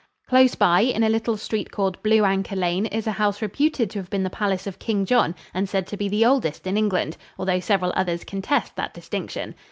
Close by, in a little street called Blue Anchor Lane, is a house reputed to have been the palace of King John and said to be the oldest in England, although several others contest that distinction.